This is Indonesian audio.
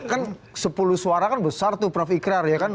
kan sepuluh suara kan besar tuh prof ikrar ya kan